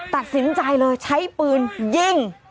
ตัดสินใจเลยใช้ปืนยิง